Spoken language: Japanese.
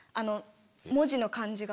文字の感じが。